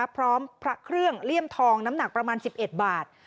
พร้อมพระเครื่องเลี่ยมทองน้ำหนักประมาณ๑๑บาท